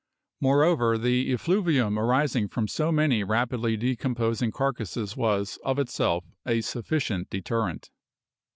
Moreover, the effluvium arising from so many rapidly decomposing carcasses was, of itself, a sufficient deterrent.